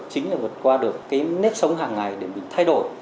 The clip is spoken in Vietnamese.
chính là vượt qua được cái nếp sống hàng ngày để mình thay đổi